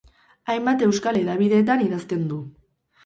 Hainbat euskal hedabidetan idazten du.